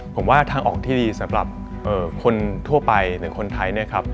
ผมว่าทางออกที่ดีสำหรับคนทั่วไปหรือคนไทย